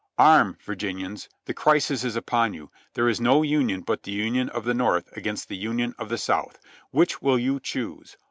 "Arm, Virginians. The Crisis is upon you. There is no Union but the Union of the North against the Union of the South. Which will you choose?